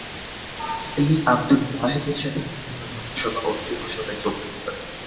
তিনি আব্দুল ওয়াহেদের সাথে বিভিন্ন ধর্মসভা ও বিতর্কসভায় যোগদান করেন।